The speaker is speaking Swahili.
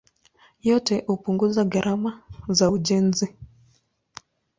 Yote hupunguza gharama za ujenzi.